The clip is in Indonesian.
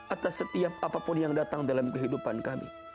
atas setiap apapun yang datang dalam kehidupan kami